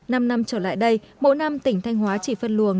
năm năm trở lại đây mỗi năm tỉnh thanh hóa chỉ phân luồng